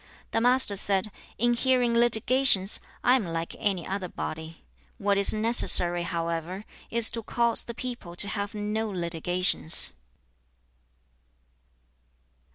The Master said, 'In hearing litigations, I am like any other body. What is necessary, however, is to cause the people to have no litigations.'